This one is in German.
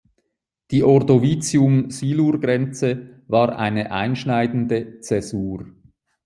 Die Ordovizium-Silur-Grenze war eine einschneidende Zäsur.